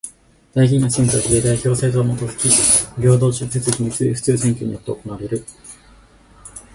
代議員の選挙は比例代表制にもとづき平等、直接、秘密、普通選挙によって行われる。